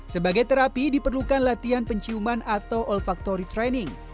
sebagai terapi diperlukan latihan penciuman atau olfactory training